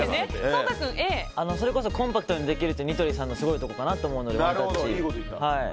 コンパクトにできるのがニトリのすごいところかなと思うので。